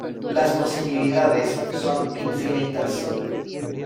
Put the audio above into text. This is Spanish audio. Las posibilidades son infinitas.